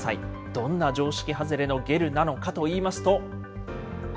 どんな常識外れのゲルなのかといいますと。